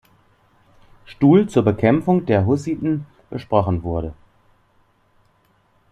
Stuhl zur Bekämpfung der Hussiten besprochen wurde.